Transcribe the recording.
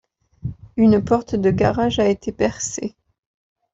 Une porte de garage a été percée.